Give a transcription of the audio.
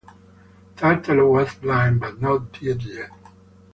Tartalo was blind, but not dead yet.